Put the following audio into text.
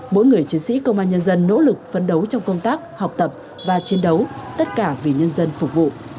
mỗi người chiến sĩ công an nhân dân nỗ lực phấn đấu trong công tác học tập và chiến đấu tất cả vì nhân dân phục vụ